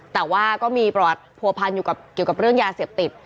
แต่ว่าก็มีประวัติผัวพันอยู่กับเรื่องยาเสพติด